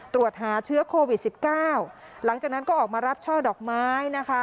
ตรวจหาเชื้อโควิด๑๙หลังจากนั้นก็ออกมารับช่อดอกไม้นะคะ